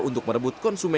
untuk merebut konsumen